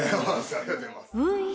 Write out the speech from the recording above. ありがとうございます。